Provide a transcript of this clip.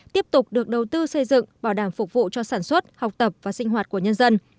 tiếp tục được đầu tư xây dựng bảo đảm phục vụ cho sản xuất học tập và sinh hoạt của nhân dân